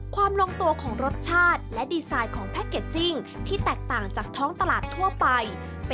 ลงตัวของรสชาติและดีไซน์ของแพ็กเกจจิ้งที่แตกต่างจากท้องตลาดทั่วไป